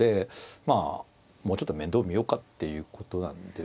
まあもうちょっと面倒見ようかっていうことなんですね。